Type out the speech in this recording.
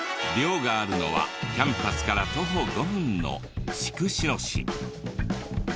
寮があるのはキャンパスから徒歩５分の筑紫野市。